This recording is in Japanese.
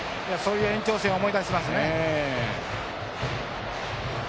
そういう延長戦を思い出しますね。